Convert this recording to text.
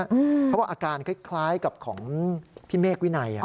เขาบอกอาการคล้ายกับของพี่เมฆวินัย